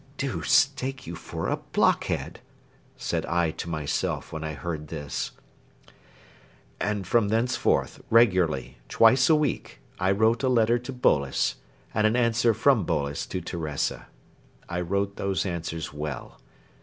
"Deuce take you for a blockhead!" said I to myself when I heard this. And from thenceforth, regularly, twice a week, I wrote a letter to Boles, and an answer from Boles to Teresa. I wrote those answers well...